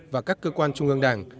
và các cơ quan trung ương đảng